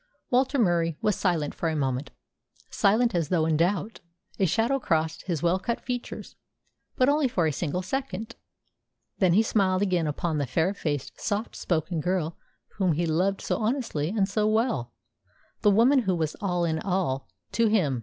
Walter Murie was silent for a moment, silent as though in doubt. A shadow crossed his well cut features, but only for a single second. Then he smiled again upon the fair faced, soft spoken girl whom he loved so honestly and so well, the woman who was all in all to him.